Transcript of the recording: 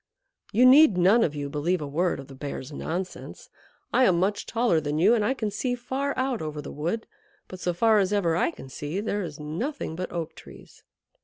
You need none of you believe a word of the Bear's nonsense. I am much taller than you, and I can see far out over the wood. But so far as ever I can see, there is nothing but Oak Trees."